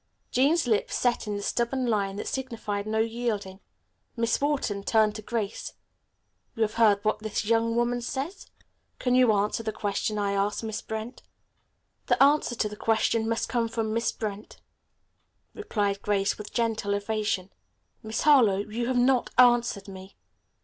Jean's lips set in the stubborn line that signified no yielding. Miss Wharton turned to Grace. "You have heard what this young woman says. Can you answer the question I asked Miss Brent?" "The answer to the question must come from Miss Brent," replied Grace with gentle evasion. "Miss Harlowe, you have not answered me."